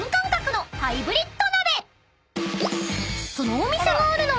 ［そのお店があるのは東京］